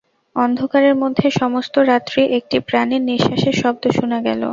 অন্ধকারের মধ্যে সমস্ত রাত্রি একটি প্রাণীর নিশ্বাসের শব্দ শুনা গেল।